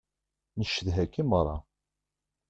Ncedha-k i meṛṛa.